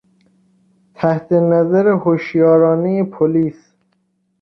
تحت نظر هشیارانهی پلیس